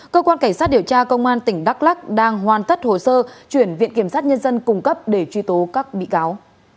cơ quan cảnh sát điều tra công an tỉnh đắk lắc đang hoàn tất hồ sơ chuyển viện kiểm sát nhân dân cung cấp để truy tố các bị cáo